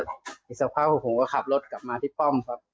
อีกสักพักผมก็ขับรถกลับมาที่ป้อมครับ